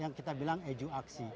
yang kita bilang eduaksi